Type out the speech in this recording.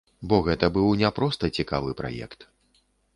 Бо гэта быў не проста цікавы праект.